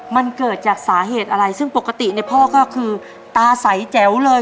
มันเกิดจากสาเหตุอะไรซึ่งปกติเนี่ยพ่อก็คือตาใสแจ๋วเลย